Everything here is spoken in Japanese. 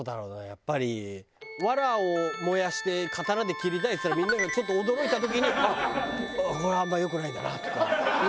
やっぱり「ワラを燃やして刀で切りたい」っつったらみんながちょっと驚いた時にこれはあんま良くないんだなとかいう反省だから。